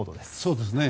そうですね。